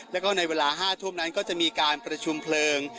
แล้วก็ในเวลา๕ทุ่มนั้นก็จะมีการประชุมเพลิง